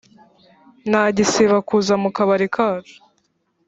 ntagisiba kuza mukabari kacu .